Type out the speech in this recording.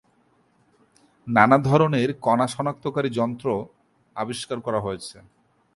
নানা ধরনের কণা শনাক্তকারী যন্ত্র আবিষ্কার করা হয়েছে।